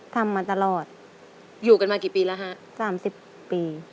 ทำมาตลอดอยู่กันมากี่ปีแล้วฮะ๓๐ปี